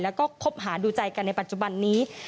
แล้วก็คบหาดูใจกันในปัจจุบันนี้